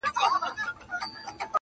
چي ملا شکرانه واخلي تأثیر ولاړ سي -